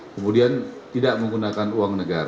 kemudian tidak menggunakan uang negara